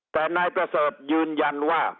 แต่นายประเสริฐยืนยันว่า